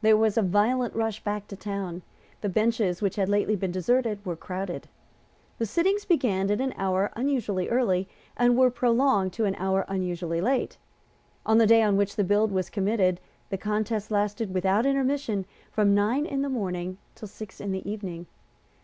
There was a violent rush back to town. The benches which had lately been deserted were crowded. The sittings began at an hour unusually early, and were prolonged to an hour unusually late. On the day on which the bill was committed the contest lasted without intermission from nine in the morning till six in the evening.